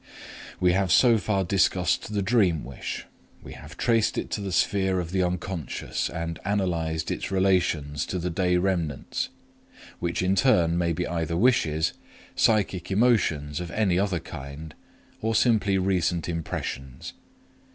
We have so far discussed the dream wish, we have traced it to the sphere of the Unc., and analyzed its relations to the day remnants, which in turn may be either wishes, psychic emotions of any other kind, or simply recent impressions.